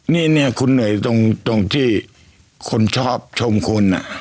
นี่เนี่ยคุณเหนื่อยตรงที่คนชอบชมคุณ